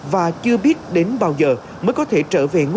và chưa biết đến bao giờ mới có thể trở về nguyên liệu